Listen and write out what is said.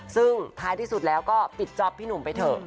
ซึ่งท้ายที่สุดแล้วก็ปิดจ๊อปพี่หนุ่มไปเถอะ